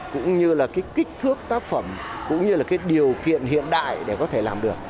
cũng như là kích thước tác phẩm cũng như là điều kiện hiện đại để có thể làm được